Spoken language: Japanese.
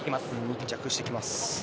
密着してきます。